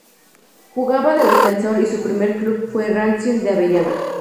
Jugaba de defensor y su primer club fue Racing de Avellaneda.